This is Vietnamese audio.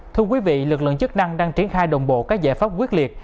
thưa quý vị lực lượng chức năng đang triển khai đồng bộ các giải pháp quyết liệt